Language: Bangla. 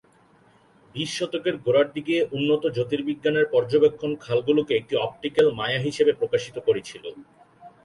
বিশ শতকের গোড়ার দিকে, উন্নত জ্যোতির্বিজ্ঞানের পর্যবেক্ষণ খাল গুলোকে একটি অপটিক্যাল মায়া হিসাবে প্রকাশিত করেছিল।